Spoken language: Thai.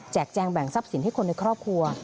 แจงแบ่งทรัพย์สินให้คนในครอบครัว